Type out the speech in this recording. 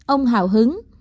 ông hào hứng